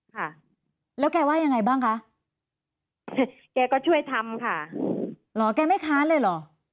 ค่ะแล้วแกว่ายังไงบ้างคะแกก็ช่วยทำค่ะเหรอแกไม่ค้านเลยเหรอ